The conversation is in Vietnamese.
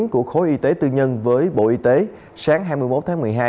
của khối y tế tư nhân với bộ y tế sáng hai mươi một tháng một mươi hai